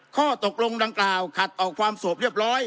ข้อตกลงดังกล่าวขัดต่อความสวบเรียบร้อย